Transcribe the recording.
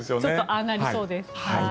ああなりそうです。